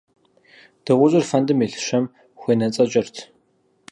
Дыгъужьыр фэндым илъ щэм хуенэцӀэкӀырт.